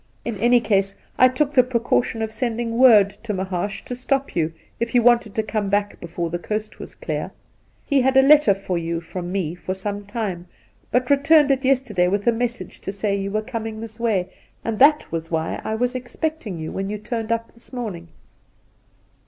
In any case, I took the precaution of sending word to Mahaash to stop you if you wanted to come back before the coast was clear. He had a letter for you from me for some time, but returned it yesterday with a message to say you were coming Induna Nairn 97 this way, and that was why I was expecting you when you turned up this morning.'